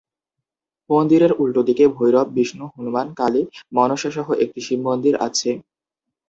মন্দিরের উল্টোদিকে ভৈরব, বিষ্ণু, হনুমান, কালী, মনসা সহ একটি শিবমন্দির আছে।